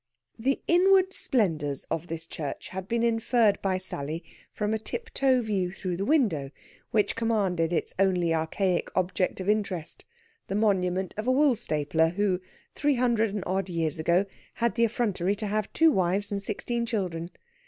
The inward splendours of this church had been inferred by Sally from a tiptoe view through the window, which commanded its only archaic object of interest the monument of a woolstapler who, three hundred and odd years ago, had the effrontery to have two wives and sixteen children.